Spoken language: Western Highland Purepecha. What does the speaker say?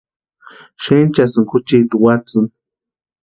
Xenchasïnka juchiti watsïni.